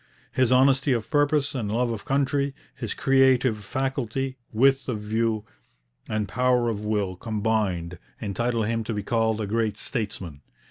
His honesty of purpose and love of country, his creative faculty, width of view, and power of will combined, entitle him to be called a great statesman.